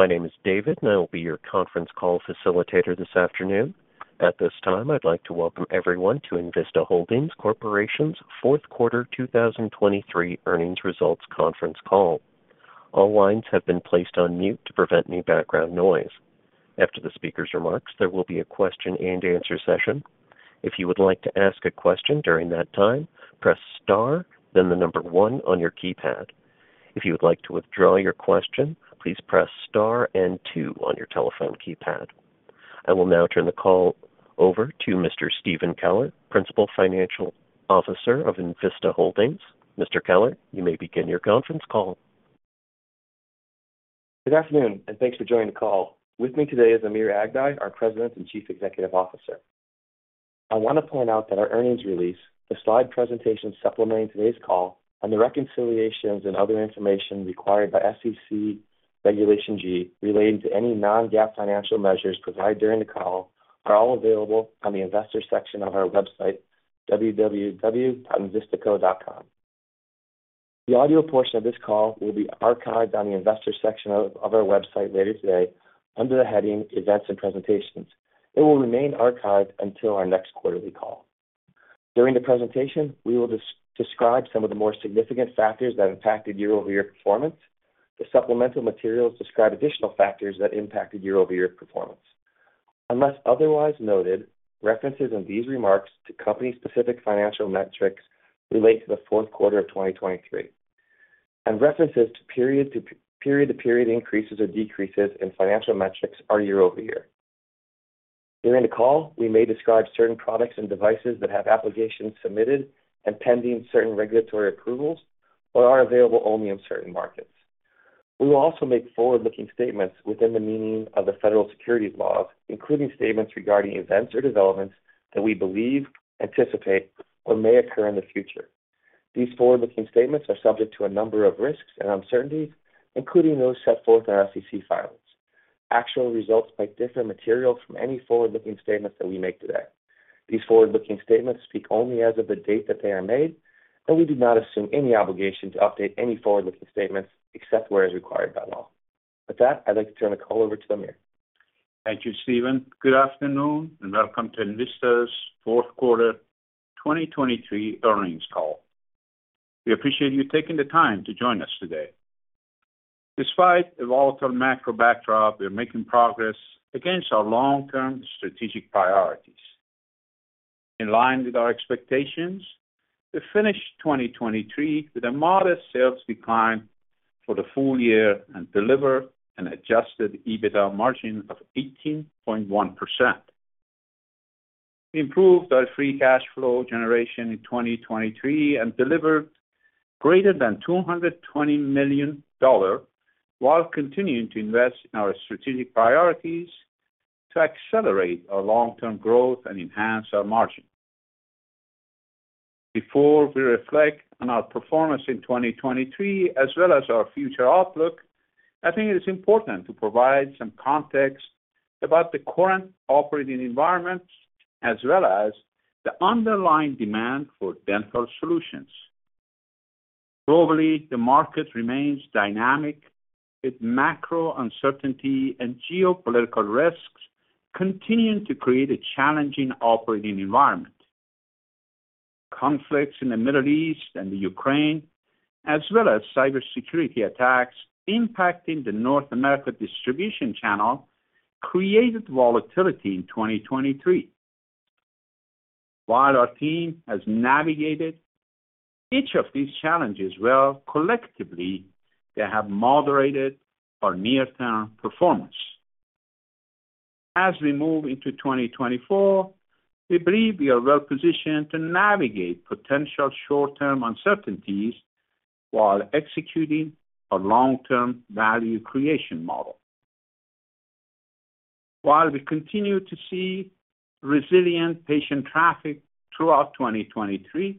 My name is David, and I will be your conference call facilitator this afternoon. At this time, I'd like to welcome everyone to Envista Holdings Corporation's fourth quarter 2023 earnings results conference call. All lines have been placed on mute to prevent any background noise. After the speaker's remarks, there will be a question-and-answer session. If you would like to ask a question during that time, press Star, then the number one on your keypad. If you would like to withdraw your question, please press Star and two on your telephone keypad. I will now turn the call over to Mr. Stephen Keller, Principal Financial Officer of Envista Holdings. Mr. Keller, you may begin your conference call. Good afternoon, and thanks for joining the call. With me today is Amir Aghdaei, our President and Chief Executive Officer. I want to point out that our earnings release, the slide presentation supplementing today's call, and the reconciliations and other information required by SEC Regulation G relating to any non-GAAP financial measures provided during the call, are all available on the investor section of our website, www.envistaco.com. The audio portion of this call will be archived on the investor section of our website later today under the heading Events and Presentations. It will remain archived until our next quarterly call. During the presentation, we will describe some of the more significant factors that impacted year-over-year performance. The supplemental materials describe additional factors that impacted year-over-year performance. Unless otherwise noted, references in these remarks to company-specific financial metrics relate to the fourth quarter of 2023, and references to period-to-period increases or decreases in financial metrics are year-over-year. During the call, we may describe certain products and devices that have applications submitted and pending certain regulatory approvals but are available only in certain markets. We will also make forward-looking statements within the meaning of the federal securities laws, including statements regarding events or developments that we believe, anticipate, or may occur in the future. These forward-looking statements are subject to a number of risks and uncertainties, including those set forth in our SEC filings. Actual results might differ materially from any forward-looking statements that we make today. These forward-looking statements speak only as of the date that they are made, and we do not assume any obligation to update any forward-looking statements except as required by law. With that, I'd like to turn the call over to Amir. Thank you, Stephen. Good afternoon, and welcome to Envista's fourth quarter 2023 earnings call. We appreciate you taking the time to join us today. Despite a volatile macro backdrop, we are making progress against our long-term strategic priorities. In line with our expectations, we finished 2023 with a modest sales decline for the full year and delivered an adjusted EBITDA margin of 18.1%. We improved our free cash flow generation in 2023 and delivered greater than $220 million while continuing to invest in our strategic priorities to accelerate our long-term growth and enhance our margin. Before we reflect on our performance in 2023 as well as our future outlook, I think it is important to provide some context about the current operating environment as well as the underlying demand for dental solutions. Globally, the market remains dynamic, with macro uncertainty and geopolitical risks continuing to create a challenging operating environment. Conflicts in the Middle East and Ukraine, as well as cybersecurity attacks impacting the North America distribution channel, created volatility in 2023. While our team has navigated each of these challenges well, collectively, they have moderated our near-term performance. As we move into 2024, we believe we are well positioned to navigate potential short-term uncertainties while executing our long-term value creation model. While we continued to see resilient patient traffic throughout 2023,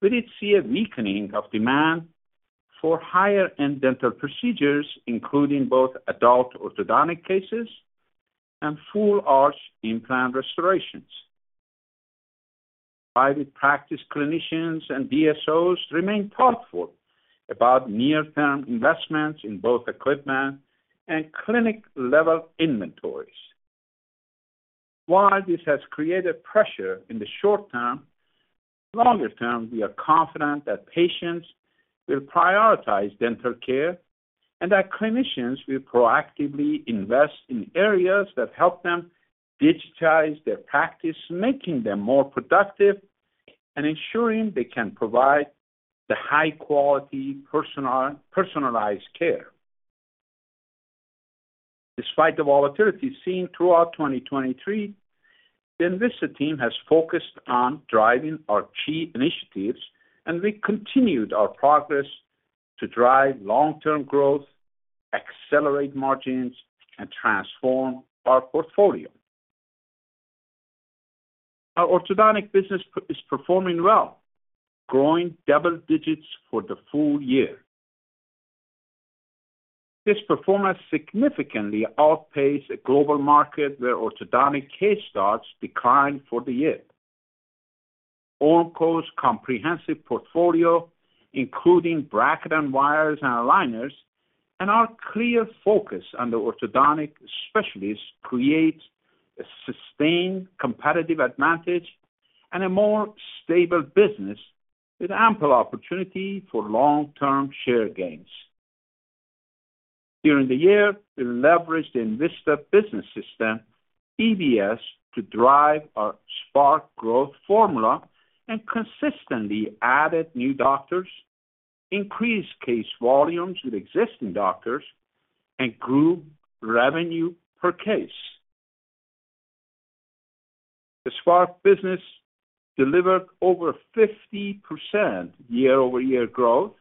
we did see a weakening of demand for higher-end dental procedures, including both adult orthodontic cases and full-arch implant restorations. Private practice clinicians and DSOs remain thoughtful about near-term investments in both equipment and clinic-level inventories. While this has created pressure in the short term, longer term, we are confident that patients will prioritize dental care and that clinicians will proactively invest in areas that help them digitize their practice, making them more productive and ensuring they can provide the high-quality personalized care. Despite the volatility seen throughout 2023, the Envista team has focused on driving our key initiatives, and we continued our progress to drive long-term growth, accelerate margins, and transform our portfolio. Our orthodontic business is performing well, growing double digits for the full year. This performance significantly outpaced a global market where orthodontic case starts declined for the year.... Ormco's comprehensive portfolio, including bracket and wires and aligners, and our clear focus on the orthodontic specialists, creates a sustained competitive advantage and a more stable business with ample opportunity for long-term share gains. During the year, we leveraged the Envista Business System, EBS, to drive our Spark growth formula and consistently added new doctors, increased case volumes with existing doctors, and grew revenue per case. The Spark business delivered over 50% year-over-year growth,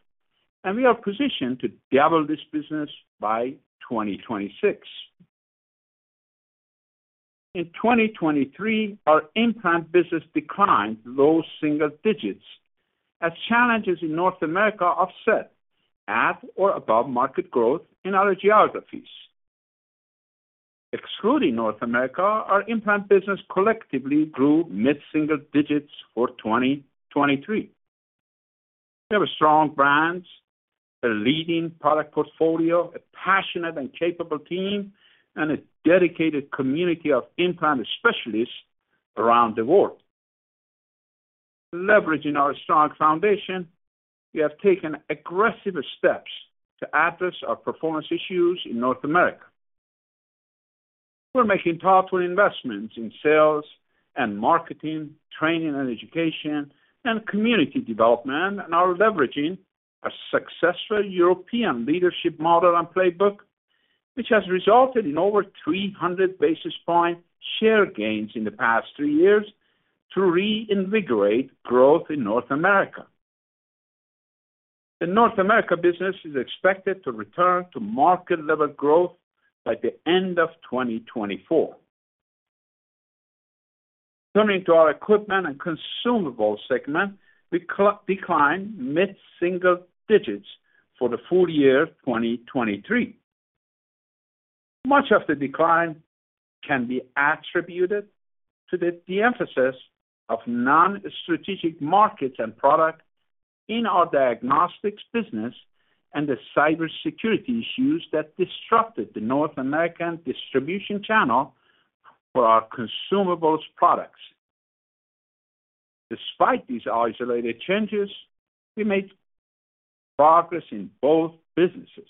and we are positioned to double this business by 2026. In 2023, our implant business declined low single digits as challenges in North America offset at or above market growth in other geographies. Excluding North America, our implant business collectively grew mid-single digits for 2023. We have strong brands, a leading product portfolio, a passionate and capable team, and a dedicated community of implant specialists around the world. Leveraging our strong foundation, we have taken aggressive steps to address our performance issues in North America. We're making thoughtful investments in sales and marketing, training and education, and community development, and are leveraging a successful European leadership model and playbook, which has resulted in over 300 basis points share gains in the past three years to reinvigorate growth in North America. The North America business is expected to return to market-level growth by the end of 2024. Turning to our equipment and consumables segment, we declined mid-single digits for the full year of 2023. Much of the decline can be attributed to the de-emphasis of non-strategic markets and products in our diagnostics business and the cybersecurity issues that disrupted the North American distribution channel for our consumables products. Despite these isolated changes, we made progress in both businesses.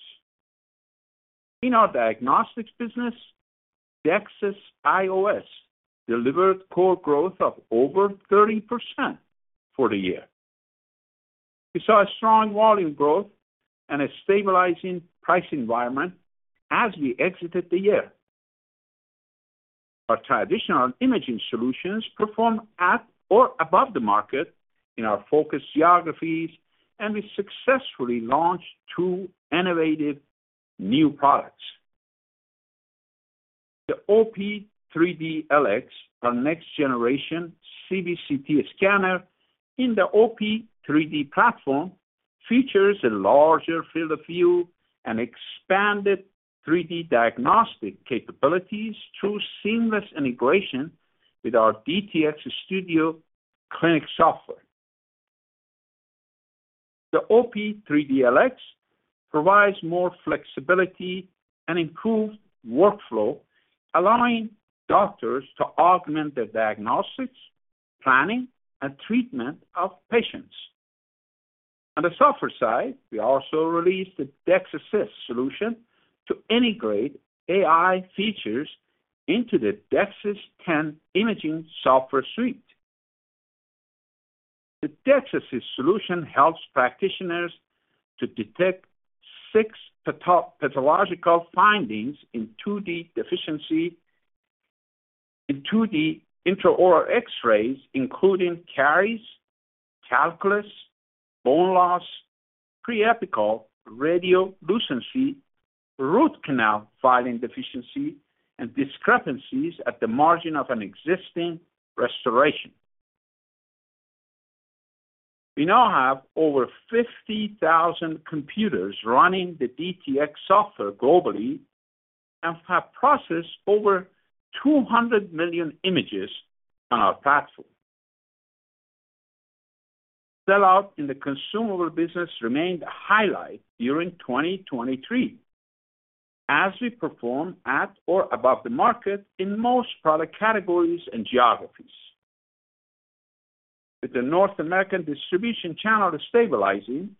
In our diagnostics business, DEXIS IOS delivered core growth of over 30% for the year. We saw a strong volume growth and a stabilizing price environment as we exited the year. Our traditional imaging solutions performed at or above the market in our focus geographies, and we successfully launched two innovative new products. The OP 3D LX, our next-generation CBCT scanner in the OP 3D platform, features a larger field of view and expanded 3D diagnostic capabilities through seamless integration with our DTX Studio Clinic software. The OP 3D LX provides more flexibility and improved workflow, allowing doctors to augment their diagnostics, planning, and treatment of patients. On the software side, we also released the DEXIS Assist solution to integrate AI features into the DEXIS 10 imaging software suite. The DEXIS solution helps practitioners to detect six pathological findings in 2D intraoral X-rays, including caries, calculus, bone loss, periapical radiolucency, root canal filling deficiency, and discrepancies at the margin of an existing restoration. We now have over 50,000 computers running the DTX software globally and have processed over 200 million images on our platform. Sell-out in the consumables business remained a highlight during 2023, as we performed at or above the market in most product categories and geographies. With the North American distribution channel stabilizing,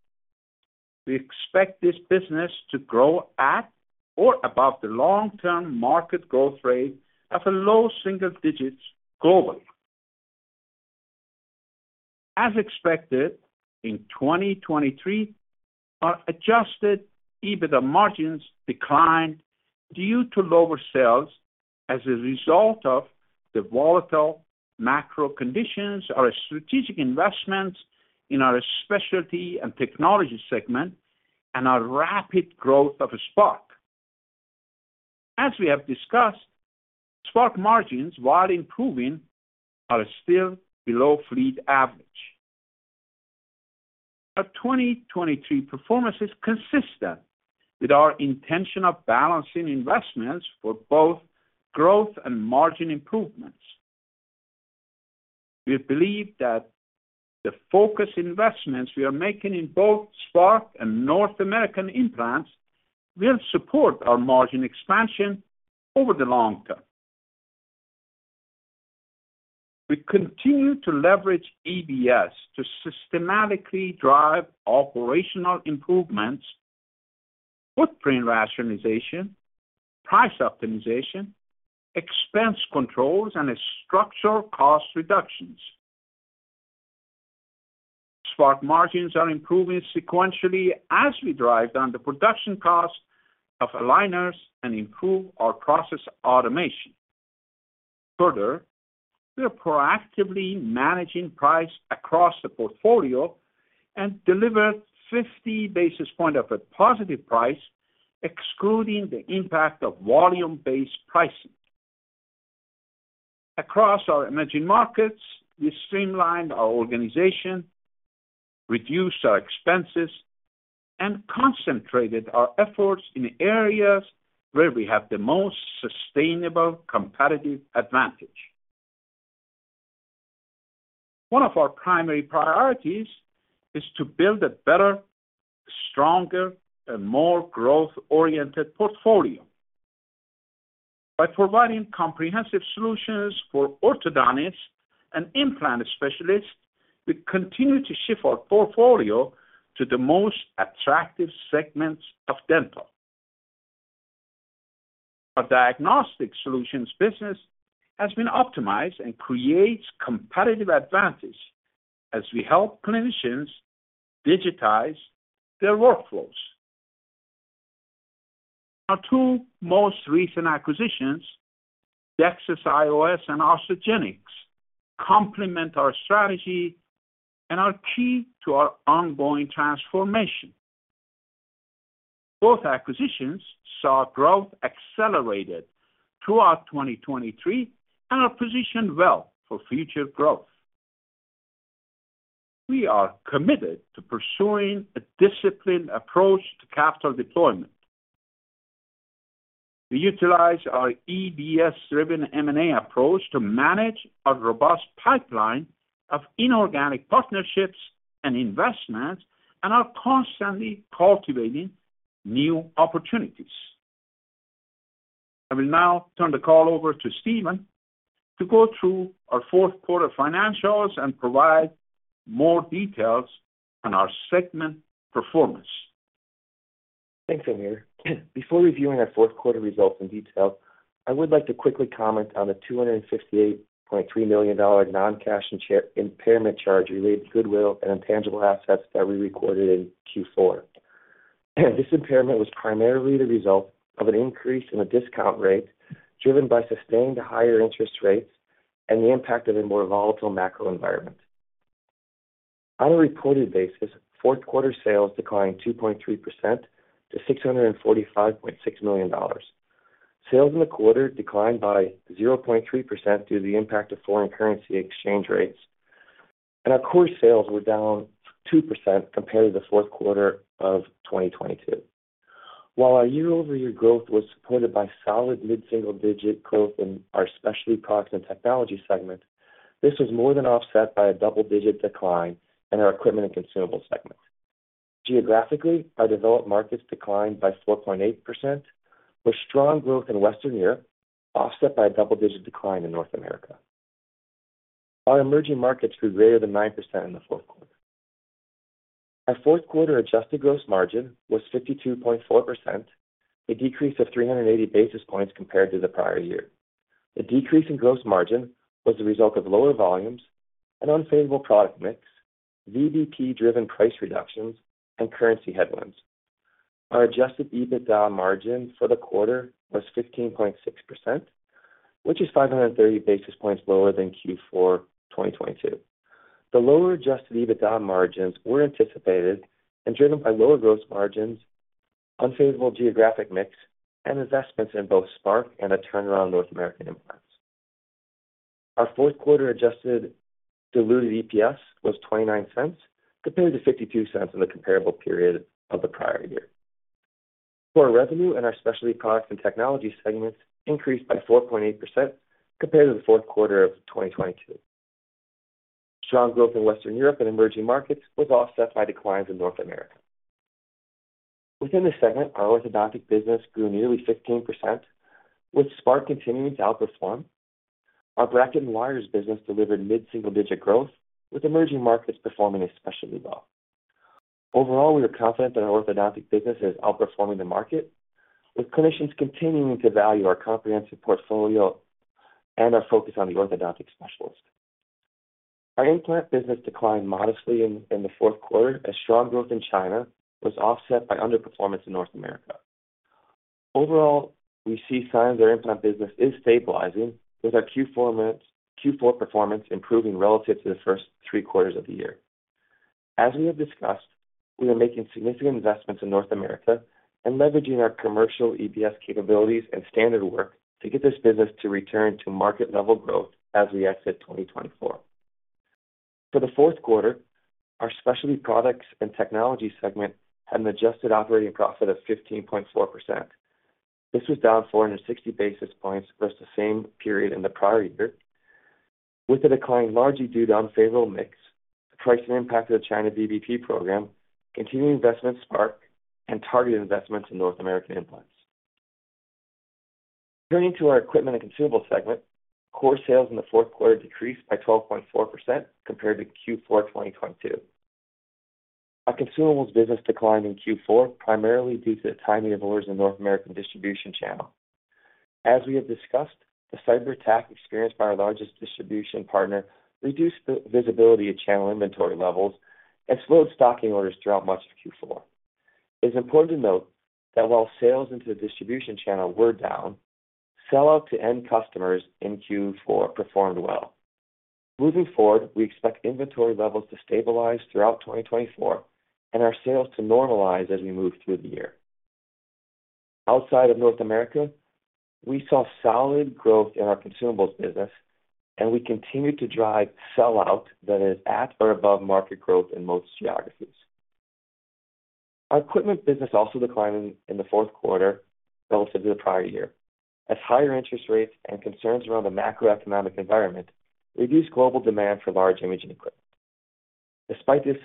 we expect this business to grow at or above the long-term market growth rate of a low single digits globally. As expected, in 2023, our Adjusted EBITDA margins declined due to lower sales as a result of the volatile macro conditions, our strategic investments in our specialty and technology segment, and our rapid growth of Spark. As we have discussed, Spark margins, while improving, are still below fleet average. Our 2023 performance is consistent with our intention of balancing investments for both growth and margin improvements. We believe that the focus investments we are making in both Spark and North American implants will support our margin expansion over the long term. We continue to leverage EBS to systematically drive operational improvements, footprint rationalization, price optimization, expense controls, and structural cost reductions. Spark margins are improving sequentially as we drive down the production cost of aligners and improve our process automation. Further, we are proactively managing price across the portfolio and delivered 50 basis points of positive price, excluding the impact of volume-based pricing. Across our emerging markets, we streamlined our organization, reduced our expenses, and concentrated our efforts in areas where we have the most sustainable competitive advantage. One of our primary priorities is to build a better, stronger, and more growth-oriented portfolio. By providing comprehensive solutions for orthodontists and implant specialists, we continue to shift our portfolio to the most attractive segments of dental. Our diagnostic solutions business has been optimized and creates competitive advantage as we help clinicians digitize their workflows. Our two most recent acquisitions, DEXIS IOS and Osteogenics, complement our strategy and are key to our ongoing transformation. Both acquisitions saw growth accelerated throughout 2023 and are positioned well for future growth. We are committed to pursuing a disciplined approach to capital deployment. We utilize our EBS-driven M&A approach to manage our robust pipeline of inorganic partnerships and investments and are constantly cultivating new opportunities. I will now turn the call over to Stephen to go through our fourth quarter financials and provide more details on our segment performance. Thanks, Amir. Before reviewing our fourth quarter results in detail, I would like to quickly comment on the $268.3 million non-cash and share impairment charge related to goodwill and intangible assets that we recorded in Q4. This impairment was primarily the result of an increase in the discount rate, driven by sustained higher interest rates and the impact of a more volatile macro environment. On a reported basis, fourth quarter sales declined 2.3% to $645.6 million. Sales in the quarter declined by 0.3% due to the impact of foreign currency exchange rates, and our core sales were down 2% compared to the fourth quarter of 2022. While our year-over-year growth was supported by solid mid-single digit growth in our specialty products and technology segment, this was more than offset by a double-digit decline in our equipment and consumables segment. Geographically, our developed markets declined by 4.8%, with strong growth in Western Europe offset by a double-digit decline in North America. Our emerging markets grew greater than 9% in the fourth quarter. Our fourth quarter adjusted gross margin was 52.4%, a decrease of 380 basis points compared to the prior year. The decrease in gross margin was the result of lower volumes, an unfavorable product mix, VBP-driven price reductions, and currency headwinds. Our adjusted EBITDA margin for the quarter was 15.6%, which is 530 basis points lower than Q4 2022. The lower Adjusted EBITDA margins were anticipated and driven by lower gross margins, unfavorable geographic mix, and investments in both Spark and a turnaround North American implants. Our fourth quarter adjusted diluted EPS was $0.29, compared to $0.52 in the comparable period of the prior year. Core revenue in our specialty products and technology segments increased by 4.8% compared to the fourth quarter of 2022. Strong growth in Western Europe and emerging markets was offset by declines in North America. Within the segment, our orthodontic business grew nearly 15%, with Spark continuing to outperform. Our bracket and wires business delivered mid-single digit growth, with emerging markets performing especially well. Overall, we are confident that our orthodontic business is outperforming the market, with clinicians continuing to value our comprehensive portfolio and our focus on the orthodontic specialist. Our implant business declined modestly in the fourth quarter, as strong growth in China was offset by underperformance in North America. Overall, we see signs our implant business is stabilizing, with our Q4 performance improving relative to the first three quarters of the year. As we have discussed. We are making significant investments in North America and leveraging our commercial EBS capabilities and standard work to get this business to return to market level growth as we exit 2024. For the fourth quarter, our specialty products and technology segment had an adjusted operating profit of 15.4%. This was down 460 basis points versus the same period in the prior year, with the decline largely due to unfavorable mix, the pricing impact of the China VBP program, continuing investments Spark, and targeted investments in North American implants. Turning to our equipment and consumables segment, Core sales in the fourth quarter decreased by 12.4% compared to Q4 2022. Our consumables business declined in Q4, primarily due to the timing of orders in North American distribution channel. As we have discussed, the cyberattack experienced by our largest distribution partner reduced the visibility of channel inventory levels and slowed stocking orders throughout much of Q4. It's important to note that while sales into the distribution channel were down, sellout to end customers in Q4 performed well. Moving forward, we expect inventory levels to stabilize throughout 2024 and our sales to normalize as we move through the year. Outside of North America, we saw solid growth in our consumables business, and we continued to drive sell-out that is at or above market growth in most geographies. Our equipment business also declined in the fourth quarter relative to the prior year, as higher interest rates and concerns around the macroeconomic environment reduced global demand for large imaging equipment. Despite this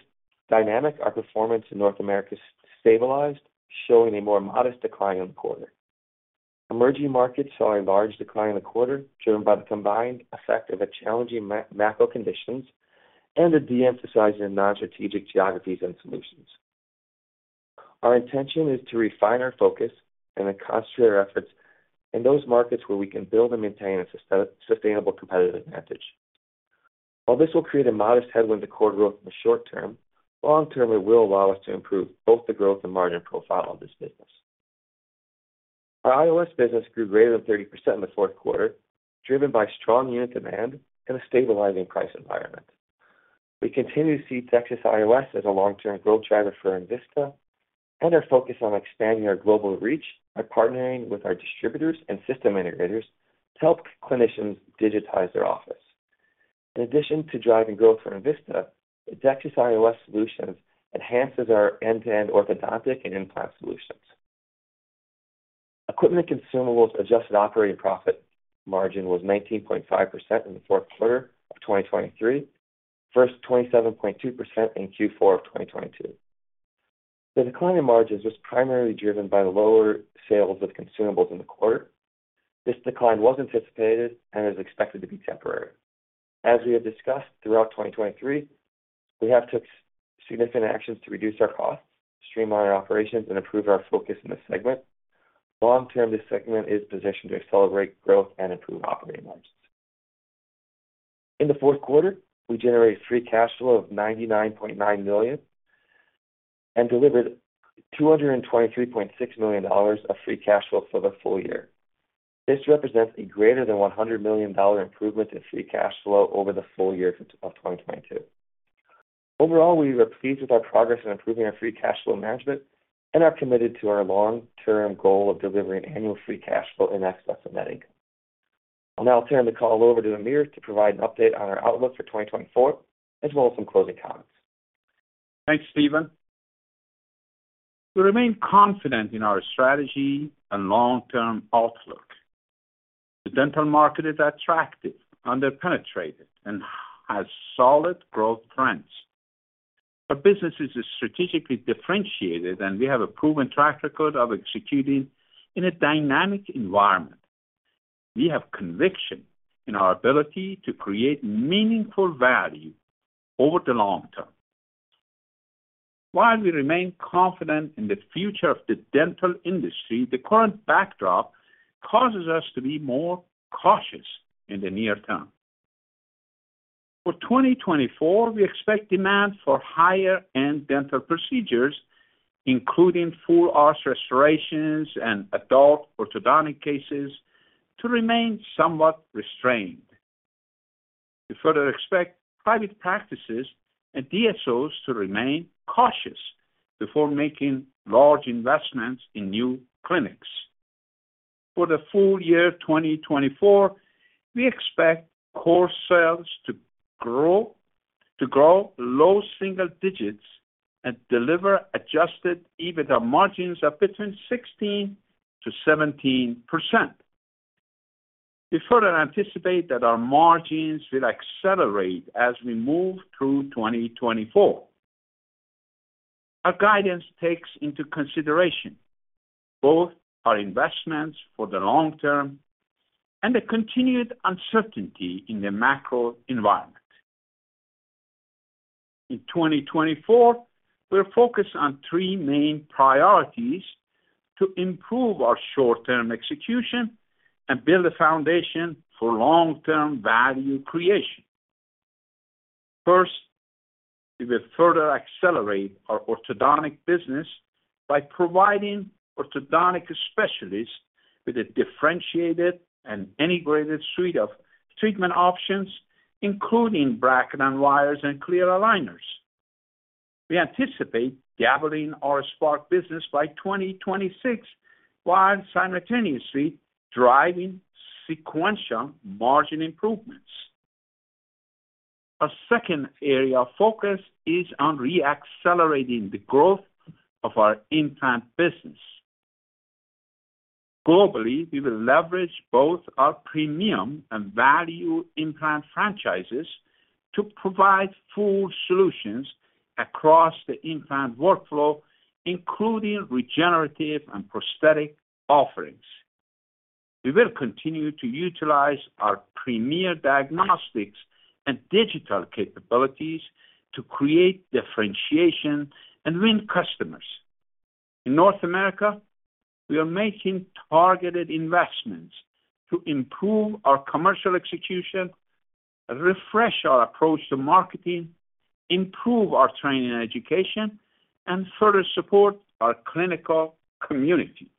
dynamic, our performance in North America stabilized, showing a more modest decline in the quarter. Emerging markets saw a large decline in the quarter, driven by the combined effect of a challenging macro conditions and a de-emphasizing in non-strategic geographies and solutions. Our intention is to refine our focus and concentrate our efforts in those markets where we can build and maintain a sustainable competitive advantage. While this will create a modest headwind to core growth in the short term, long term, it will allow us to improve both the growth and margin profile of this business. Our IOS business grew greater than 30% in the fourth quarter, driven by strong unit demand and a stabilizing price environment. We continue to see DEXIS IOS as a long-term growth driver for Envista and are focused on expanding our global reach by partnering with our distributors and system integrators to help clinicians digitize their office. In addition to driving growth for Envista, DEXIS IOS solutions enhances our end-to-end orthodontic and implant solutions. Equipment consumables adjusted operating profit margin was 19.5% in the fourth quarter of 2023, versus 27.2% in Q4 of 2022. The decline in margins was primarily driven by the lower sales of consumables in the quarter. This decline was anticipated and is expected to be temporary. As we have discussed, throughout 2023, we have took significant actions to reduce our costs, streamline our operations, and improve our focus in this segment. Long term, this segment is positioned to accelerate growth and improve operating margins. In the fourth quarter, we generated free cash flow of $99.9 million, and delivered $223.6 million of free cash flow for the full year. This represents a greater than $100 million improvement in free cash flow over the full year of 2022. Overall, we were pleased with our progress in improving our free cash flow management and are committed to our long-term goal of delivering annual free cash flow in excess of net income. I'll now turn the call over to Amir to provide an update on our outlook for 2024, as well as some closing comments. Thanks, Stephen. We remain confident in our strategy and long-term outlook. The dental market is attractive, underpenetrated, and has solid growth trends. Our business is strategically differentiated, and we have a proven track record of executing in a dynamic environment. We have conviction in our ability to create meaningful value over the long term. While we remain confident in the future of the dental industry, the current backdrop causes us to be more cautious in the near term. For 2024, we expect demand for higher-end dental procedures, including full-arch restorations and adult orthodontic cases, to remain somewhat restrained. We further expect private practices and DSOs to remain cautious before making large investments in new clinics. For the full year 2024, we expect core sales to grow low single digits and deliver adjusted EBITDA margins of between 16% to 17%. We further anticipate that our margins will accelerate as we move through 2024. Our guidance takes into consideration both our investments for the long term and the continued uncertainty in the macro environment. In 2024, we're focused on three main priorities to improve our short-term execution and build a foundation for long-term value creation. First, we will further accelerate our orthodontic business by providing orthodontic specialists... with a differentiated and integrated suite of treatment options, including bracket and wires and clear aligners. We anticipate doubling our Spark business by 2026, while simultaneously driving sequential margin improvements. Our second area of focus is on re-accelerating the growth of our implant business. Globally, we will leverage both our premium and value implant franchises to provide full solutions across the implant workflow, including regenerative and prosthetic offerings. We will continue to utilize our premier diagnostics and digital capabilities to create differentiation and win customers. In North America, we are making targeted investments to improve our commercial execution, refresh our approach to marketing, improve our training and education, and further support our clinical community.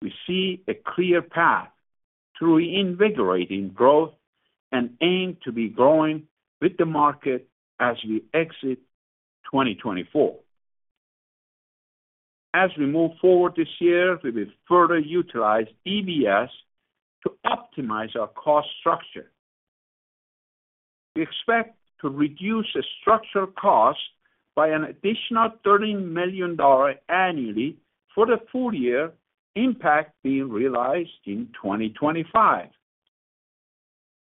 We see a clear path to reinvigorating growth and aim to be growing with the market as we exit 2024. As we move forward this year, we will further utilize EBS to optimize our cost structure. We expect to reduce the structural cost by an additional $13 million annually for the full year impact being realized in 2025.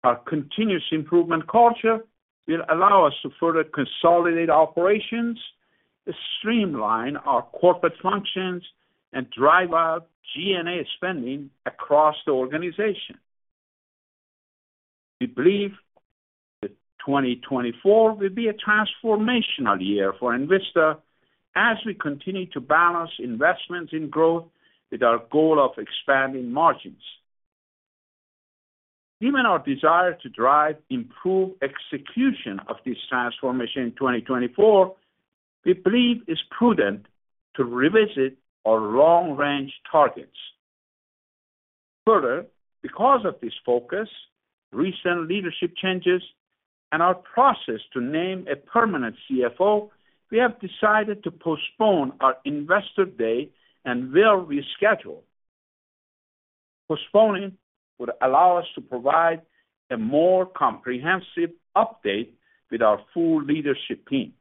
Our continuous improvement culture will allow us to further consolidate operations, and streamline our corporate functions, and drive our G&A spending across the organization. We believe that 2024 will be a transformational year for Envista as we continue to balance investments in growth with our goal of expanding margins. Given our desire to drive improved execution of this transformation in 2024, we believe it's prudent to revisit our long-range targets. Further, because of this focus, recent leadership changes, and our process to name a permanent CFO, we have decided to postpone our Investor Day and will reschedule. Postponing would allow us to provide a more comprehensive update with our full leadership team.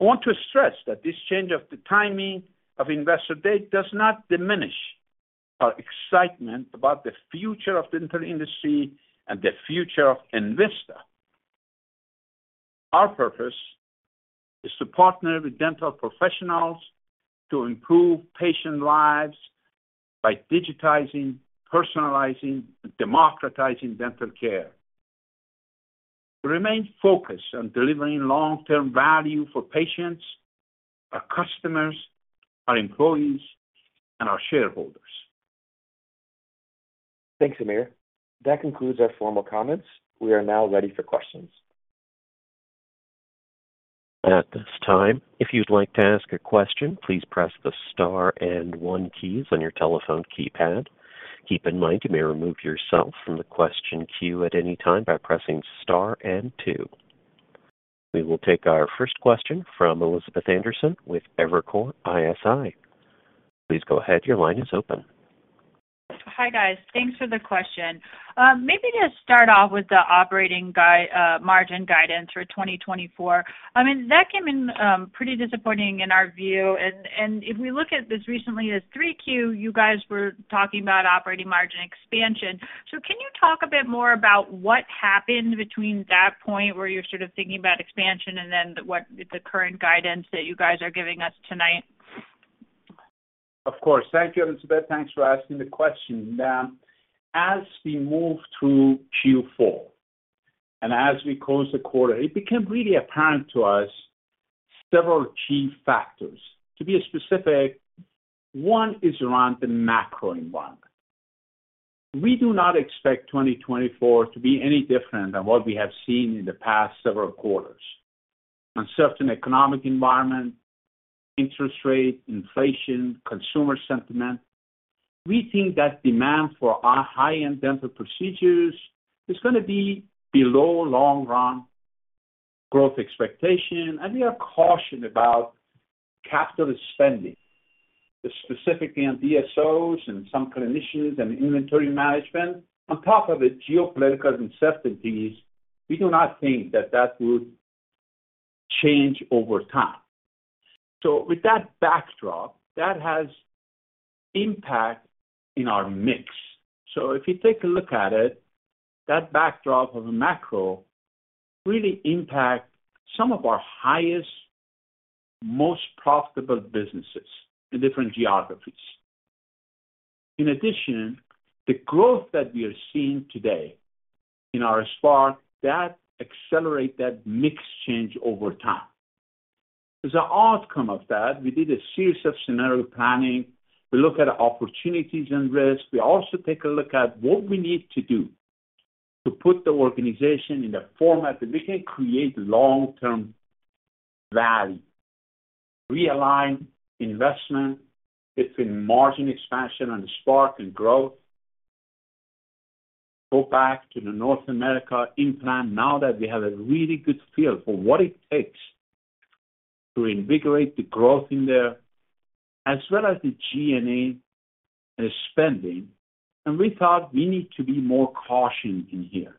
I want to stress that this change of the timing of Investor Day does not diminish our excitement about the future of the dental industry and the future of Envista. Our purpose is to partner with dental professionals to improve patient lives by digitizing, personalizing, and democratizing dental care. We remain focused on delivering long-term value for patients, our customers, our employees, and our shareholders. Thanks, Amir. That concludes our formal comments. We are now ready for questions. At this time, if you'd like to ask a question, please press the star and one keys on your telephone keypad. Keep in mind, you may remove yourself from the question queue at any time by pressing star and two. We will take our first question from Elizabeth Anderson with Evercore ISI. Please go ahead. Your line is open. Hi, guys. Thanks for the question. Maybe just start off with the operating guide, margin guidance for 2024. I mean, that came in pretty disappointing in our view, and, and if we look at this recently, as Q3, you guys were talking about operating margin expansion. So can you talk a bit more about what happened between that point where you're sort of thinking about expansion and then the, what, the current guidance that you guys are giving us tonight? Of course. Thank you, Elizabeth. Thanks for asking the question. Now, as we move through Q4, and as we close the quarter, it became really apparent to us several key factors. To be specific, one is around the macro environment. We do not expect 2024 to be any different than what we have seen in the past several quarters. Uncertain economic environment, interest rate, inflation, consumer sentiment. We think that demand for our high-end dental procedures is gonna be below long-run growth expectation, and we are cautioned about capital spending, specifically on DSOs and some clinicians and inventory management. On top of the geopolitical uncertainties, we do not think that that would change over time. So with that backdrop, that has impact in our mix. So if you take a look at it, that backdrop of a macro really impact some of our highest, most profitable businesses in different geographies. In addition, the growth that we are seeing today in our Spark, that accelerate that mix change over time. As an outcome of that, we did a series of scenario planning. We look at opportunities and risks. We also take a look at what we need to do to put the organization in a format that we can create long-term value. Realign investment between margin expansion and Spark and growth. Go back to the North America implant now that we have a really good feel for what it takes to invigorate the growth in there, as well as the G&A spending. And we thought we need to be more cautious in here,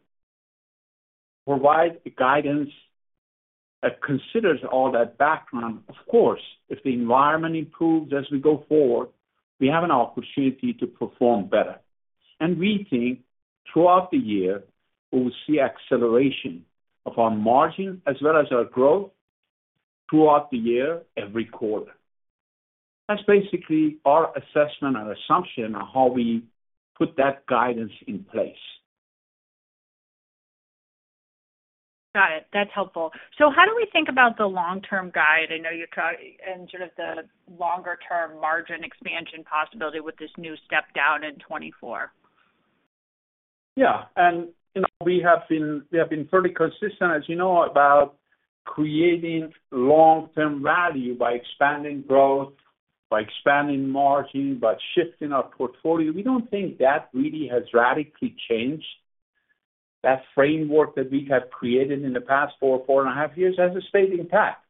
provide a guidance that considers all that background. Of course, if the environment improves as we go forward, we have an opportunity to perform better. We think throughout the year, we will see acceleration of our margin as well as our growth throughout the year, every quarter. That's basically our assessment and assumption on how we put that guidance in place. Got it. That's helpful. So how do we think about the long-term guide? I know you talk and sort of the longer-term margin expansion possibility with this new step down in 2024. Yeah, and, you know, we have been, we have been fairly consistent, as you know, about creating long-term value by expanding growth, by expanding margin, by shifting our portfolio. We don't think that really has radically changed. That framework that we have created in the past 4, 4.5 years has stayed intact.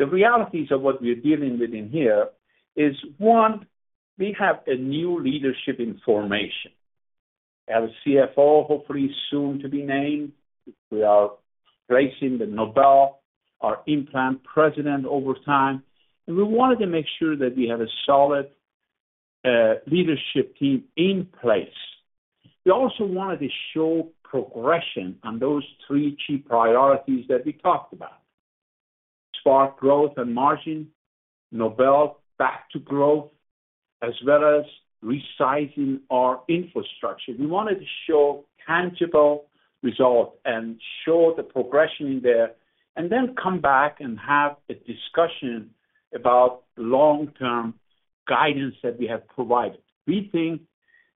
The realities of what we're dealing with in here is, one, we have a new leadership in formation. Our CFO, hopefully soon to be named. We are placing the Nobel, our implant president over time, and we wanted to make sure that we have a solid leadership team in place. We also wanted to show progression on those three key priorities that we talked about. Spark growth and margin, Nobel back to growth, as well as resizing our infrastructure. We wanted to show tangible results and show the progression in there, and then come back and have a discussion about long-term guidance that we have provided. We think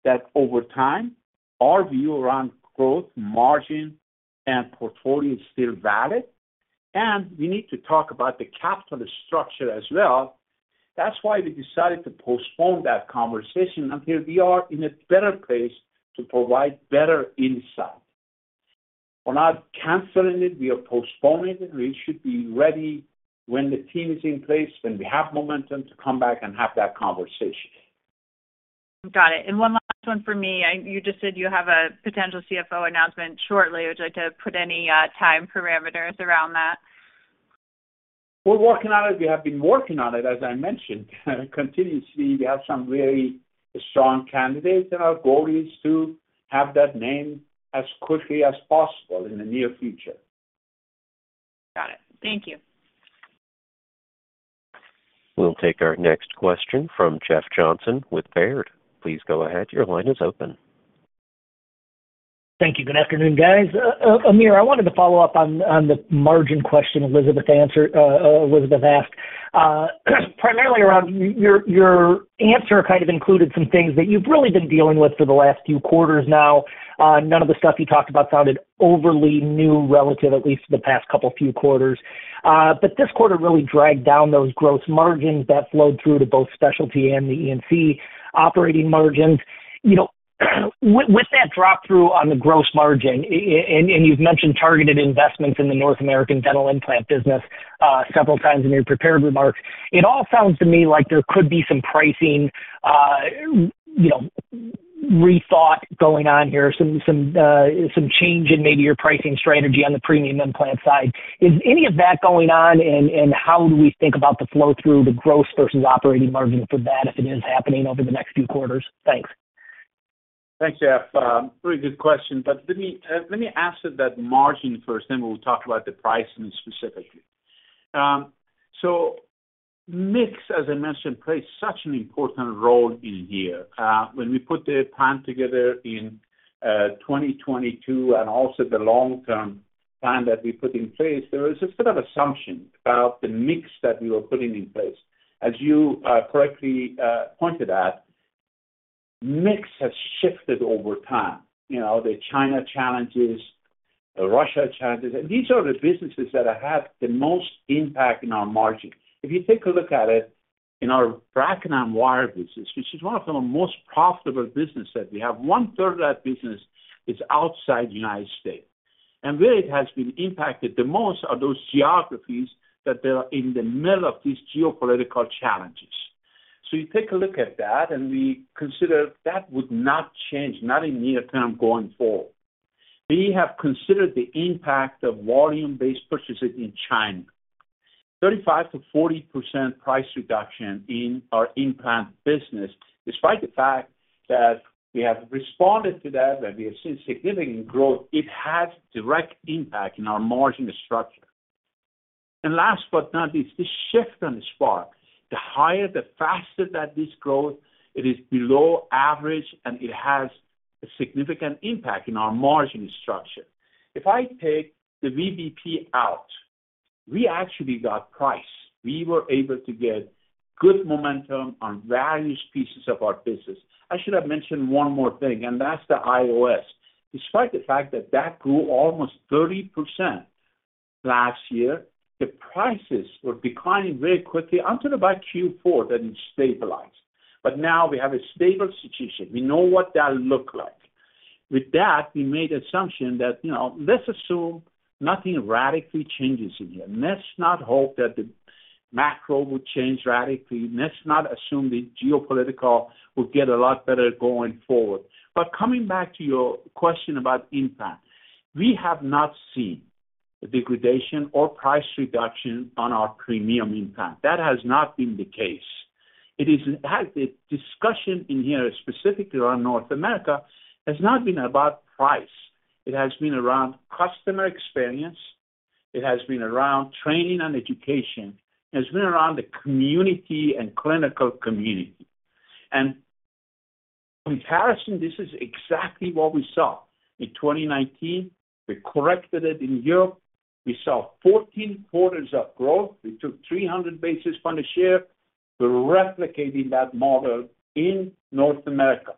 that over time, our view around growth, margin, and portfolio is still valid, and we need to talk about the capital structure as well. That's why we decided to postpone that conversation until we are in a better place to provide better insight. We're not canceling it. We are postponing it, and we should be ready when the team is in place, when we have momentum to come back and have that conversation. Got it. And one last one for me. You just said you have a potential CFO announcement shortly. Would you like to put any time parameters around that? We're working on it. We have been working on it, as I mentioned, continuously. We have some really strong candidates, and our goal is to have that name as quickly as possible in the near future. Got it. Thank you. We'll take our next question from Jeff Johnson with Baird. Please go ahead. Your line is open. Thank you. Good afternoon, guys. Amir, I wanted to follow up on the margin question Elizabeth answered. Elizabeth asked primarily around your answer kind of included some things that you've really been dealing with for the last few quarters now. None of the stuff you talked about sounded overly new, relative at least to the past couple few quarters. But this quarter really dragged down those gross margins that flowed through to both specialty and the E&C operating margins. You know, with that drop-through on the gross margin, and you've mentioned targeted investments in the North American dental implant business several times in your prepared remarks. It all sounds to me like there could be some pricing, you know, rethought going on here, some change in maybe your pricing strategy on the premium implant side. Is any of that going on, and how do we think about the flow through the gross versus operating margin for that, if it is happening over the next few quarters? Thanks. Thanks, Jeff. Very good question, but let me answer that margin first, then we'll talk about the pricing specifically. So mix, as I mentioned, plays such an important role in here. When we put the plan together in 2022 and also the long-term plan that we put in place, there was a sort of assumption about the mix that we were putting in place. As you correctly pointed out, mix has shifted over time. You know, the China challenges, the Russia challenges, and these are the businesses that have had the most impact in our margin. If you take a look at it, in our bracket and wire business, which is one of the most profitable businesses that we have, one-third of that business is outside the United States. And where it has been impacted the most are those geographies that are in the middle of these geopolitical challenges. So you take a look at that, and we consider that would not change, not in near term, going forward. We have considered the impact of volume-based purchases in China. 35% to 40% price reduction in our implant business, despite the fact that we have responded to that and we have seen significant growth, it has direct impact in our margin structure. And last but not least, the shift on the Spark. The higher, the faster that this grows, it is below average, and it has a significant impact in our margin structure. If I take the VBP out, we actually got price. We were able to get good momentum on various pieces of our business. I should have mentioned one more thing, and that's the IOS.... Despite the fact that that grew almost 30% last year, the prices were declining very quickly until about Q4, then it stabilized. But now we have a stable situation. We know what that look like. With that, we made assumption that, you know, let's assume nothing radically changes in here. Let's not hope that the macro would change radically. Let's not assume the geopolitical will get a lot better going forward. But coming back to your question about impact, we have not seen a degradation or price reduction on our premium implant. That has not been the case. It has the discussion in here, specifically around North America, has not been about price. It has been around customer experience, it has been around training and education, it has been around the community and clinical community. In comparison, this is exactly what we saw. In 2019, we corrected it in Europe. We saw 14 quarters of growth. We took 300 basis points a share. We're replicating that model in North America.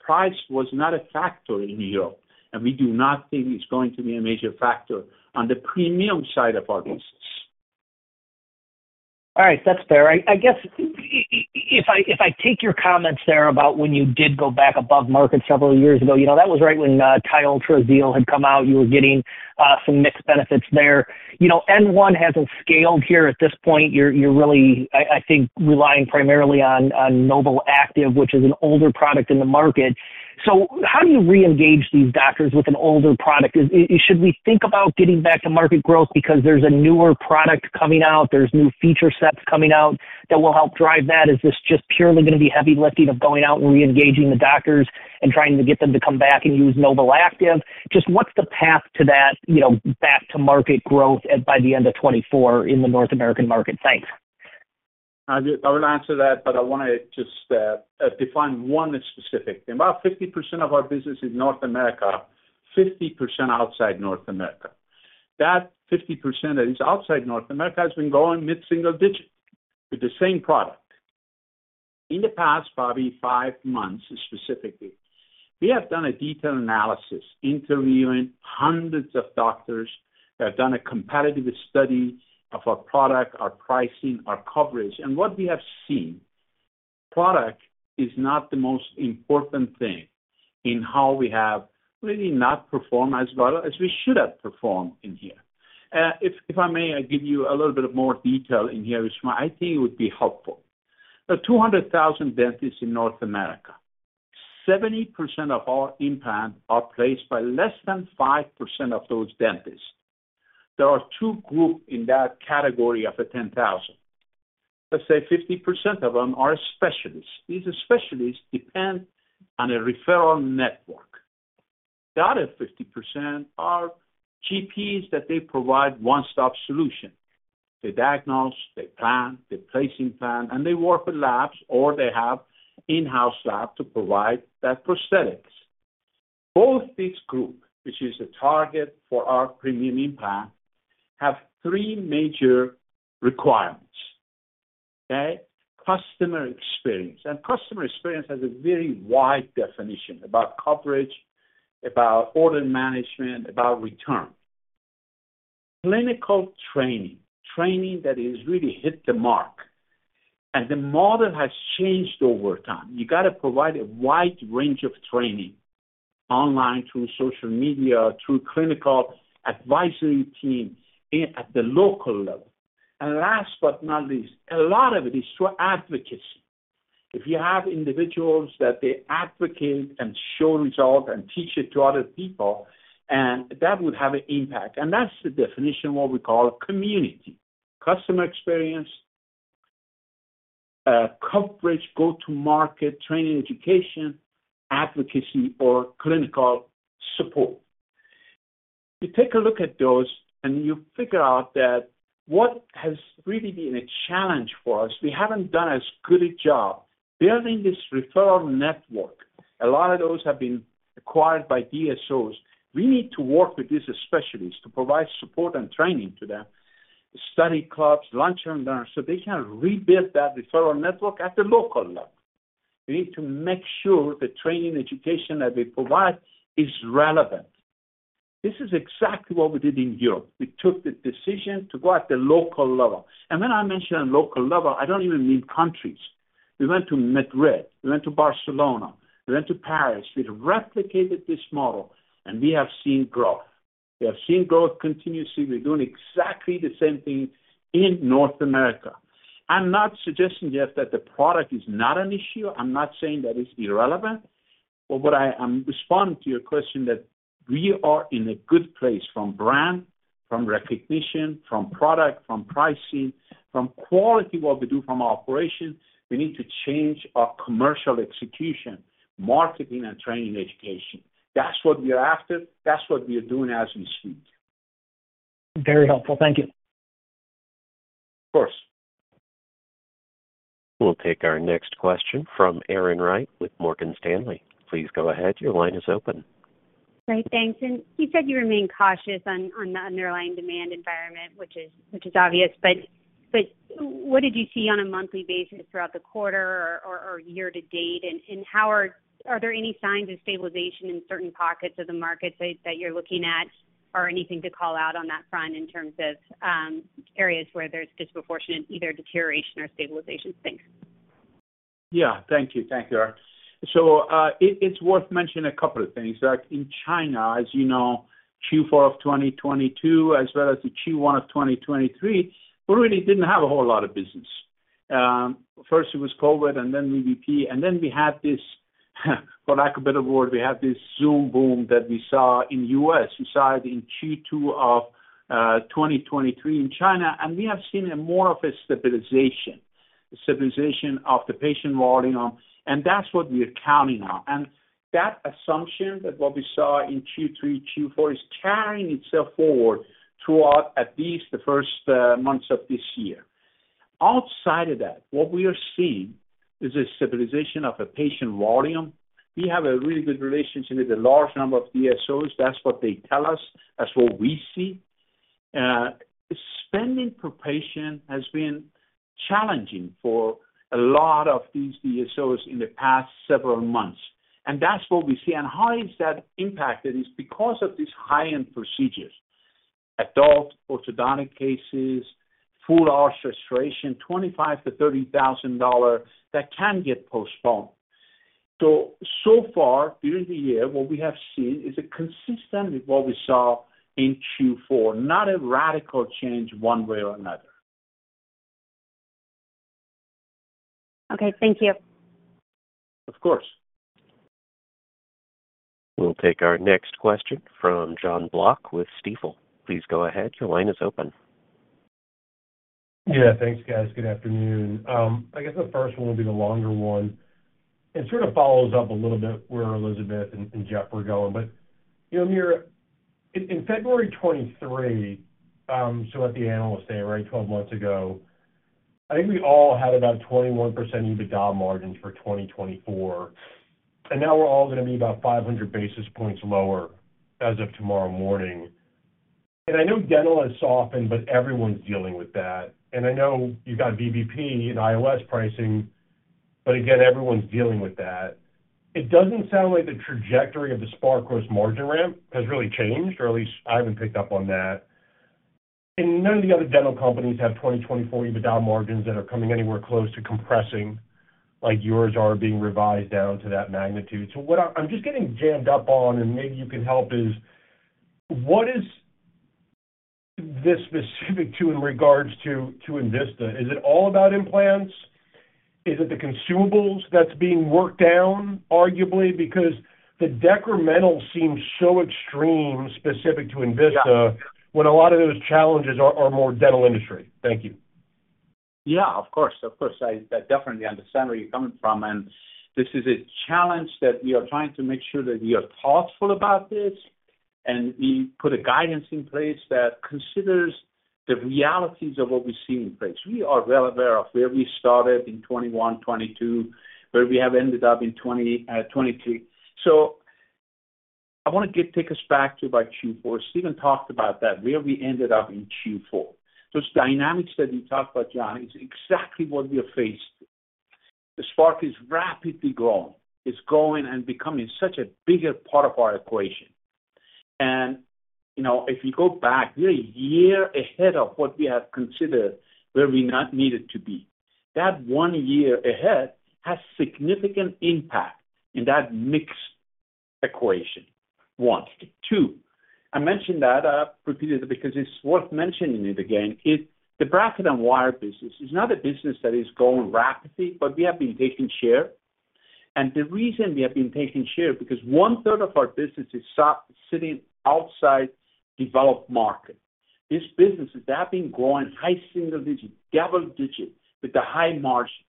Price was not a factor in Europe, and we do not think it's going to be a major factor on the premium side of our business. All right, that's fair. I guess, if I take your comments there about when you did go back above market several years ago, you know, that was right when TiUltra and Xeal had come out. You were getting some mixed benefits there. You know, N1 hasn't scaled here. At this point, you're really, I think, relying primarily on NobelActive, which is an older product in the market. So how do you reengage these doctors with an older product? Should we think about getting back to market growth because there's a newer product coming out, there's new feature sets coming out that will help drive that? Is this just purely gonna be heavy lifting of going out and reengaging the doctors and trying to get them to come back and use NobelActive? Just what's the path to that, you know, back to market growth by the end of 2024 in the North American market? Thanks. I will, I will answer that, but I want to just define one specific thing. About 50% of our business is North America, 50% outside North America. That 50% that is outside North America has been growing mid-single digit with the same product. In the past, probably five months specifically, we have done a detailed analysis, interviewing hundreds of doctors. We have done a competitive study of our product, our pricing, our coverage, and what we have seen, product is not the most important thing in how we have really not performed as well as we should have performed in here. If, if I may, I give you a little bit of more detail in here, which I think it would be helpful. There are 200,000 dentists in North America. 70% of our implants are placed by less than 5% of those dentists. There are two groups in that category of the 10,000. Let's say 50% of them are specialists. These specialists depend on a referral network. The other 50% are GPs that provide one-stop solution. They diagnose, they plan, they place implants, and they work with labs, or they have in-house lab to provide those prosthetics. Both these groups, which is the target for our premium implant, have three major requirements, okay? Customer experience, and customer experience has a very wide definition about coverage, about order management, about returns. Clinical training, training that has really hit the mark, and the model has changed over time. You got to provide a wide range of training online, through social media, through clinical advisory team in at the local level. Last but not least, a lot of it is through advocacy. If you have individuals that they advocate and show results and teach it to other people, and that would have an impact, and that's the definition of what we call community. Customer experience, coverage, go-to-market, training, education, advocacy, or clinical support. You take a look at those, and you figure out that what has really been a challenge for us, we haven't done as good a job building this referral network. A lot of those have been acquired by DSOs. We need to work with these specialists to provide support and training to them, study clubs, lunch and learn, so they can rebuild that referral network at the local level. We need to make sure the training education that we provide is relevant. This is exactly what we did in Europe. We took the decision to go at the local level. And when I mention local level, I don't even mean countries. We went to Madrid, we went to Barcelona, we went to Paris. We replicated this model, and we have seen growth. We have seen growth continuously. We're doing exactly the same thing in North America. I'm not suggesting just that the product is not an issue. I'm not saying that it's irrelevant, but what I am responding to your question, that we are in a good place from brand, from recognition, from product, from pricing, from quality, what we do from our operations. We need to change our commercial execution, marketing and training education. That's what we are after. That's what we are doing as we speak. Very helpful. Thank you. Of course. We'll take our next question from Erin Wright with Morgan Stanley. Please go ahead. Your line is open. Great, thanks. And you said you remain cautious on the underlying demand environment, which is obvious, but what did you see on a monthly basis throughout the quarter or year to date? And how are there any signs of stabilization in certain pockets of the market that you're looking at, or anything to call out on that front in terms of areas where there's disproportionate, either deterioration or stabilization? Thanks. Yeah. Thank you. Thank you, Erin. So, it's worth mentioning a couple of things. Like in China, as you know, Q4 of 2022, as well as the Q1 of 2023, we really didn't have a whole lot of business. First it was COVID, and then VBP, and then we had this, for lack of a better word, we had this Zoom boom that we saw in US. We saw it in Q2 of 2023 in China, and we have seen a more of a stabilization, stabilization of the patient volume, and that's what we are counting on. And that assumption, that what we saw in Q3, Q4, is carrying itself forward throughout at least the first months of this year. Outside of that, what we are seeing is a stabilization of a patient volume. We have a really good relationship with a large number of DSOs. That's what they tell us. That's what we see. Spending per patient has been challenging for a lot of these DSOs in the past several months, and that's what we see. And how is that impacted? Is because of these high-end procedures, adult orthodontic cases, full arch restoration, $25,000 to $30,000, that can get postponed. So, so far during the year, what we have seen is a consistent with what we saw in Q4, not a radical change one way or another. Okay. Thank you. Of course. We'll take our next question from John Block with Stifel. Please go ahead. Your line is open. Yeah, thanks, guys. Good afternoon. I guess the first one will be the longer one. It sort of follows up a little bit where Elizabeth and Jeff were going. But, you know, Amir, in February 2023, so at the analyst day, right, 12 months ago, I think we all had about 21% EBITDA margins for 2024, and now we're all gonna be about 500 basis points lower as of tomorrow morning. And I know dental has softened, but everyone's dealing with that. And I know you've got VBP and ILS pricing, but again, everyone's dealing with that. It doesn't sound like the trajectory of the Spark gross margin ramp has really changed, or at least I haven't picked up on that. And none of the other dental companies have 2024 EBITDA margins that are coming anywhere close to compressing like yours are being revised down to that magnitude. So what I'm just getting jammed up on, and maybe you can help, is what is this specific to in regards to Envista? Is it all about implants? Is it the consumables that's being worked down, arguably? Because the decremental seems so extreme specific to Envista- Yeah - when a lot of those challenges are more dental industry. Thank you. Yeah, of course. Of course. I definitely understand where you're coming from, and this is a challenge that we are trying to make sure that we are thoughtful about this, and we put a guidance in place that considers the realities of what we see in place. We are well aware of where we started in 2021, 2022, where we have ended up in 2023. So I want to take us back to about Q4. Stephen talked about that, where we ended up in Q4. Those dynamics that you talked about, John, is exactly what we are faced with. The Spark is rapidly growing. It's growing and becoming such a bigger part of our equation. And, you know, if you go back, we're a year ahead of what we have considered where we not needed to be. That one year ahead has significant impact in that mix equation, one. Two, I mentioned that repeatedly because it's worth mentioning it again. It. The bracket and wire business is not a business that is growing rapidly, but we have been taking share. And the reason we have been taking share, because one-third of our business is sitting outside developed market. This business is having growing high single digit, double digit, with a high margin.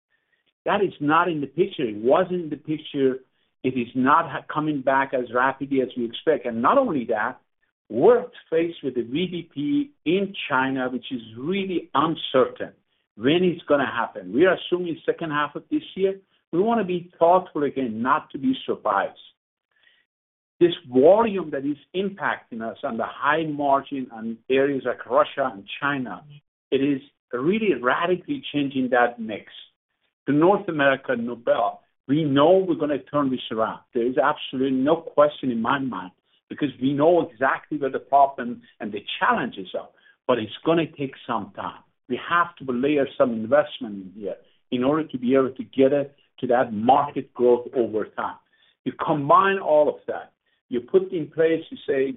That is not in the picture. It wasn't in the picture. It is not coming back as rapidly as we expect. And not only that, we're faced with the VBP in China, which is really uncertain when it's gonna happen. We are assuming second half of this year. We wanna be thoughtful again, not to be surprised. This volume that is impacting us on the high margin on areas like Russia and China, it is really radically changing that mix. The North America Nobel, we know we're gonna turn this around. There is absolutely no question in my mind, because we know exactly where the problems and the challenges are, but it's gonna take some time. We have to layer some investment in here in order to be able to get it to that market growth over time. You combine all of that, you put in place, you say,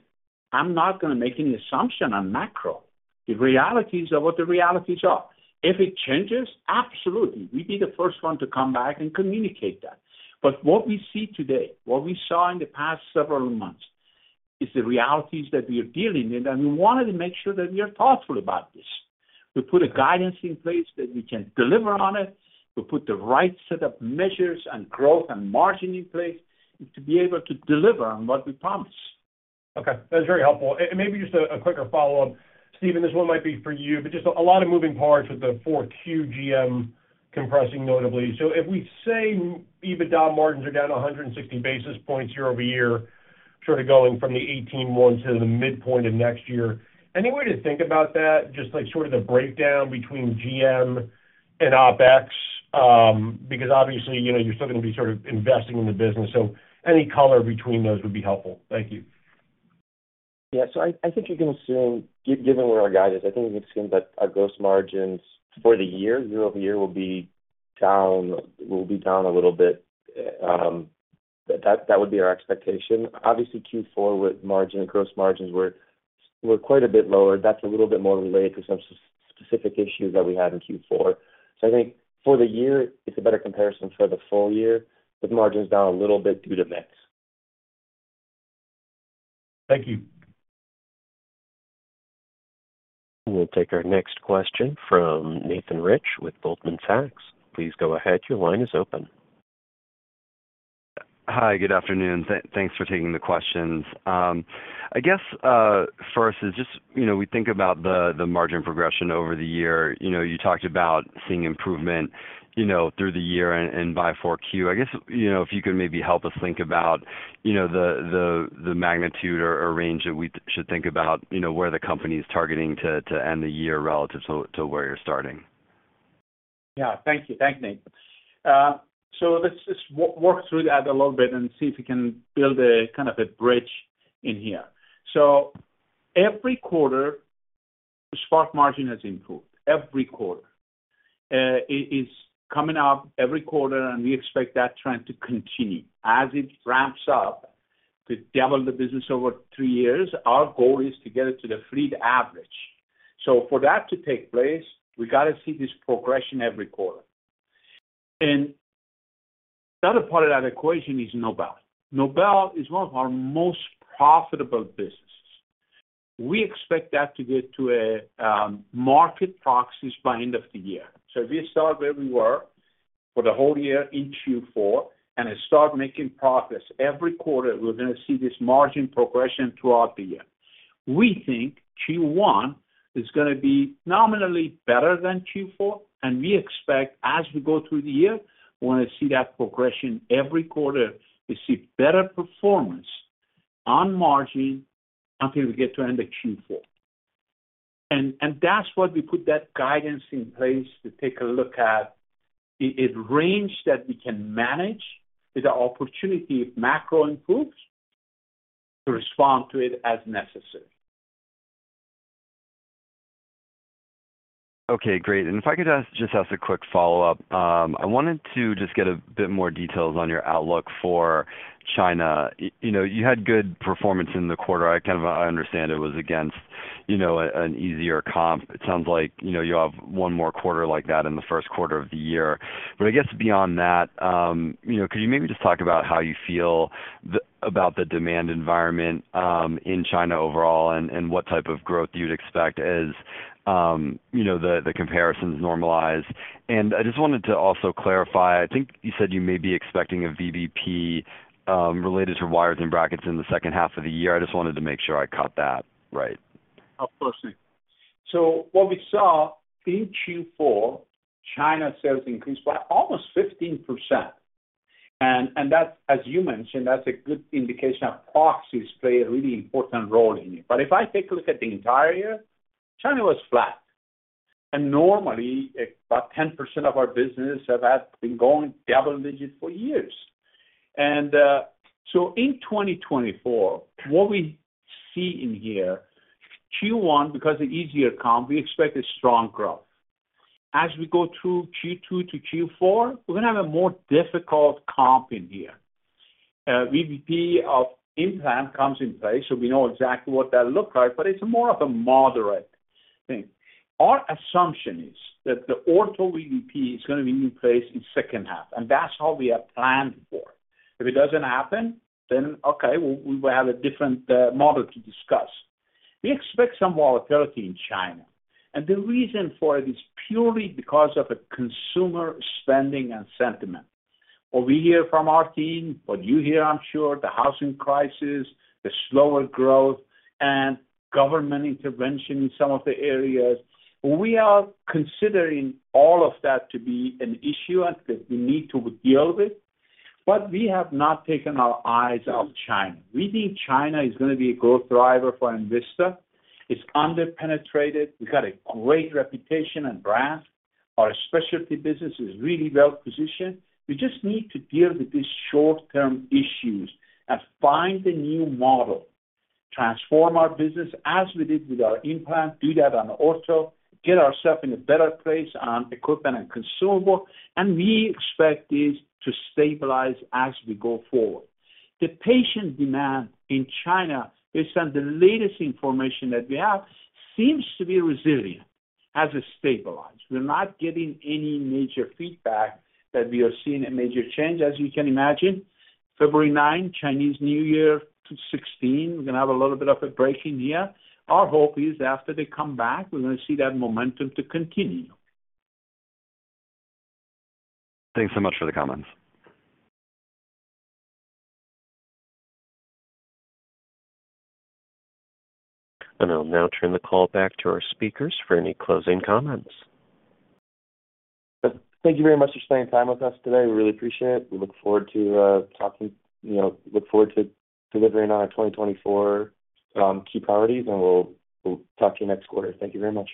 "I'm not gonna make any assumption on macro." The realities are what the realities are. If it changes, absolutely, we'll be the first one to come back and communicate that. But what we see today, what we saw in the past several months, is the realities that we are dealing in, and we wanted to make sure that we are thoughtful about this. We put a guidance in place that we can deliver on it. We put the right set of measures and growth and margin in place to be able to deliver on what we promise. Okay, that's very helpful. Maybe just a quicker follow-up. Stephen, this one might be for you, but just a lot of moving parts with the 4Q GM compressing notably. So if we say EBITDA margins are down 160 basis points year-over-year, sort of going from the 18.1 to the midpoint of next year, any way to think about that, just like sort of the breakdown between GM and OpEx? Because obviously, you know, you're still gonna be sort of investing in the business, so any color between those would be helpful. Thank you. Yeah, so I think you can assume, given where our guide is, I think you can assume that our gross margins for the year year-over-year will be down a little bit. But that would be our expectation. Obviously, Q4 gross margins were quite a bit lower. That's a little bit more related to some specific issues that we had in Q4. So I think for the year, it's a better comparison for the full year, with margins down a little bit due to mix. Thank you. We'll take our next question from Nathan Rich with Goldman Sachs. Please go ahead. Your line is open. Hi, good afternoon. Thanks for taking the questions. I guess, first is just, you know, we think about the margin progression over the year. You know, you talked about seeing improvement, you know, through the year and by 4Q. I guess, you know, if you could maybe help us think about the magnitude or range that we should think about, you know, where the company is targeting to end the year relative to where you're starting. Yeah. Thank you. Thank you, Nick. So let's work through that a little bit and see if we can build a kind of a bridge in here. So every quarter, Spark margin has improved. Every quarter. It is coming up every quarter, and we expect that trend to continue. As it ramps up to double the business over three years, our goal is to get it to the fleet average. So for that to take place, we gotta see this progression every quarter. And the other part of that equation is Nobel. Nobel is one of our most profitable businesses. We expect that to get to a market growth rates by end of the year. So if we start where we were for the whole year in Q4, and it start making progress every quarter, we're gonna see this margin progression throughout the year. We think Q1 is gonna be nominally better than Q4, and we expect, as we go through the year, we wanna see that progression every quarter to see better performance on margin until we get to end of Q4. And that's why we put that guidance in place to take a look at a range that we can manage with the opportunity, if macro improves, to respond to it as necessary. Okay, great. If I could ask just a quick follow-up. I wanted to just get a bit more details on your outlook for China. You know, you had good performance in the quarter. I kind of, I understand it was against, you know, an easier comp. It sounds like, you know, you'll have one more quarter like that in the first quarter of the year. But I guess beyond that, you know, could you maybe just talk about how you feel about the demand environment in China overall, and what type of growth you'd expect as you know, the comparisons normalize? And I just wanted to also clarify, I think you said you may be expecting a VBP related to wires and brackets in the second half of the year. I just wanted to make sure I caught that right. Of course, Nick. So what we saw in Q4, China sales increased by almost 15%. And, and that, as you mentioned, that's a good indication of proxies play a really important role in it. But if I take a look at the entire year, China was flat. And normally, about 10% of our business have had been going double digits for years. And, so in 2024, what we see in here, Q1, because of easier comp, we expect a strong growth. As we go through Q2 to Q4, we're gonna have a more difficult comp in here. VBP of implant comes in place, so we know exactly what that looks like, but it's more of a moderate thing. Our assumption is that the ortho VBP is gonna be in place in second half, and that's how we have planned for it. If it doesn't happen, then okay, we will have a different model to discuss. We expect some volatility in China, and the reason for it is purely because of the consumer spending and sentiment. What we hear from our team, what you hear, I'm sure, the housing crisis, the slower growth, and government intervention in some of the areas. We are considering all of that to be an issue that we need to deal with, but we have not taken our eyes out of China. We think China is gonna be a growth driver for Envista. It's underpenetrated. We've got a great reputation and brand. Our specialty business is really well positioned. We just need to deal with these short-term issues and find a new model, transform our business as we did with our implant, do that on ortho, get ourselves in a better place on equipment and consumables, and we expect this to stabilize as we go forward. The patient demand in China, based on the latest information that we have, seems to be resilient as it stabilize. We're not getting any major feedback that we are seeing a major change. As you can imagine, February 9, Chinese New Year to 16, we're gonna have a little bit of a break in here. Our hope is after they come back, we're gonna see that momentum to continue. Thanks so much for the comments. I'll now turn the call back to our speakers for any closing comments. Thank you very much for spending time with us today. We really appreciate it. We look forward to talking, you know, look forward to delivering on our 2024 key priorities, and we'll, we'll talk to you next quarter. Thank you very much.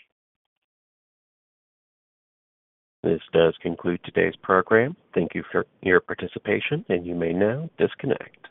This does conclude today's program. Thank you for your participation, and you may now disconnect.